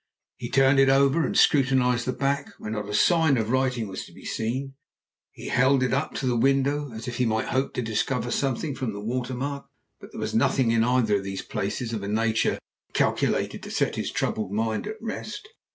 He turned it over and scrutinized the back, where not a sign of writing was to be seen; he held it up to the window, as if he might hope to discover something from the water mark; but there was nothing in either of these places of a nature calculated to set his troubled mind at rest.